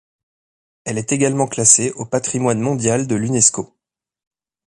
Elle est également classée au patrimoine mondial de l'Unesco.